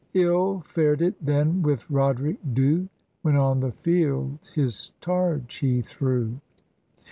"Ill fared it then with Roderick Dhu When on the field his targe he threw."